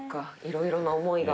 色々な思いが。